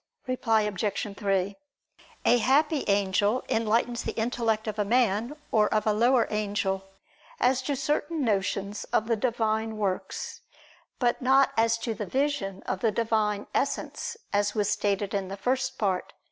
Reply Obj. 3: A happy angel enlightens the intellect of a man or of a lower angel, as to certain notions of the Divine works: but not as to the vision of the Divine Essence, as was stated in the First Part (Q.